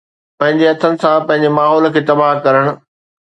پنهنجي هٿن سان پنهنجي ماحول کي تباهه ڪرڻ